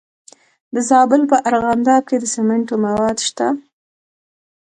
د زابل په ارغنداب کې د سمنټو مواد شته.